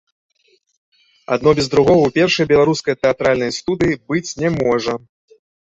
Адно без другога ў першай беларускай тэатральнай студыі быць не можа.